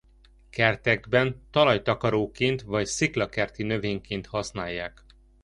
Kertekben talajtakaróként vagy sziklakerti növényként használják.